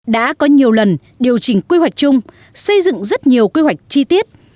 đã có nhiều lần điều chỉnh quy hoạch chung xây dựng rất nhiều quy hoạch chi tiết